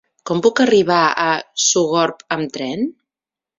Com puc arribar a Sogorb amb tren?